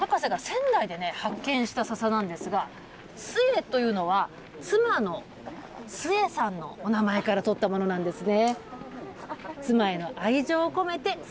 博士が仙台で発見したササなんですが、スエというのは妻のスエさんのお名前からとったものなんですね。